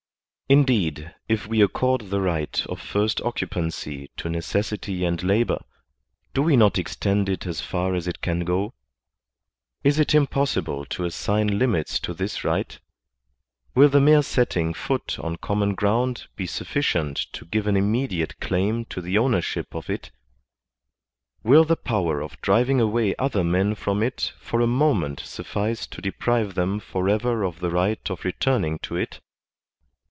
Indeed, if we accord the right of first occupancy to necessity and labor, do we not extend it as far as it can go ? Is it impossible to assign limits to this right ? Will the mere setting foot on common ground be sufficient to give an immediate claim to the ownership of it? Will the i)ower of driving away other men from it for a moment suffice to deprive them for ever of the right of returning to it